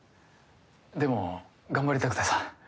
でも頑張りたくてさ。